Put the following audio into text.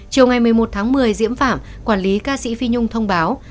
chiều ngày một mươi một tháng một mươi diễm phản quản lý ca sĩ phi nhung thông báo